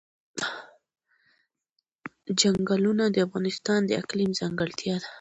چنګلونه د افغانستان د اقلیم ځانګړتیا ده.